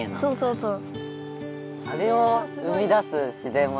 そうそう。